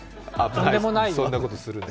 とんでもないよと。